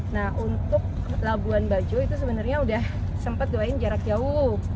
nah untuk labuan bajo itu sebenarnya udah sempat doain jarak jauh